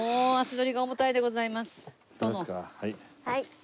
はい。